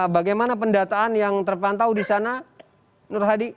bagaimana pendataan yang terpantau di sana nur hadi